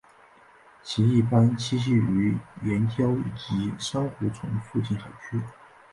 其一般栖息于岩礁以及珊瑚丛附近海区。